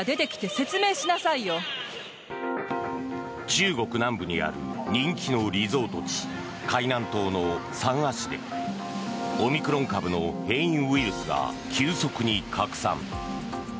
中国南部にある人気のリゾート地海南島の三亜市でオミクロン株の変異ウイルスが急速に拡散。